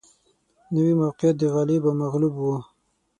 نوي موقعیت د غالب او مغلوب و